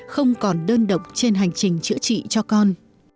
không còn đơn độc trên hành trình chữa trị cho con